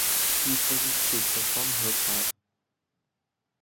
І по вівці цілком глитав.